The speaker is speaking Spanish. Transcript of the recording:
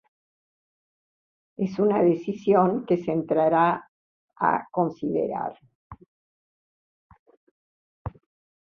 Es una decisión que se entrará a considerar.